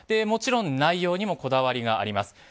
もちろん、内容にもこだわりがあります。